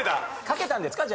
書けたんですか？